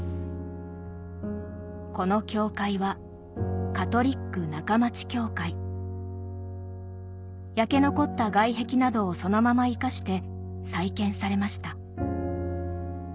この教会は焼け残った外壁などをそのまま生かして再建されました